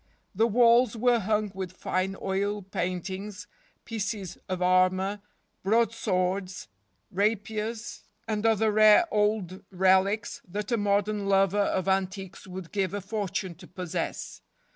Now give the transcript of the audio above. The walls* were hung with fine oil paintings, pieces of armor, broadswords, rapiers, and other rare old relics that a modern lover of antiques would give a fortune to possess.